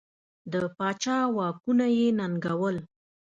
د پاچا واکونه یې ننګول.